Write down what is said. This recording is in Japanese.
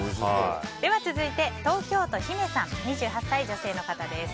続いて東京都２８歳、女性の方です。